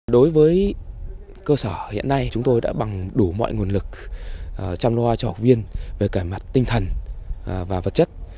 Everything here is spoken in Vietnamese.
đối với cơ sở hiện nay chúng tôi đã bằng đủ mọi nguồn lực chăm lo cho học viên về cả mặt tinh thần và vật chất